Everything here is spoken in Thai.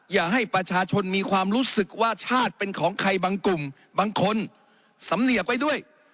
อย่าให้ประชาชนมีความรู้สึกว่าชาติเป็นของใครบางกลุ่มบางคนสำเนียบไว้ด้วย